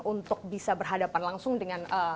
untuk bisa berhadapan langsung dengan